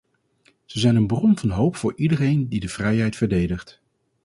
Ze zijn een bron van hoop voor iedereen die de vrijheid verdedigt.